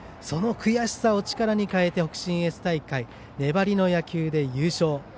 その悔しさを力に変えて北信越大会、粘りの野球で優勝。